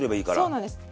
そうなんです。